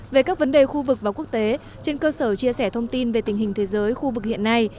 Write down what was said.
về các vấn đề khu vực và quốc tế trên cơ sở chia sẻ thông tin về tình hình thế giới khu vực hiện nay